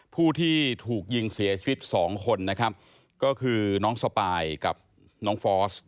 ผู้ที่ถูกยิงเสียชีวิตสองคนนะครับก็คือน้องสปายกับน้องฟอส